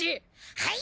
はい！